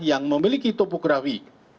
yang memiliki topografi